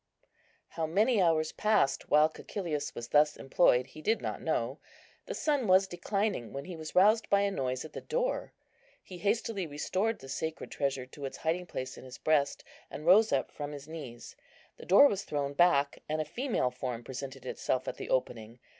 How many hours passed while Cæcilius was thus employed, he did not know. The sun was declining when he was roused by a noise at the door. He hastily restored the sacred treasure to its hiding place in his breast, and rose up from his knees. The door was thrown back, and a female form presented itself at the opening.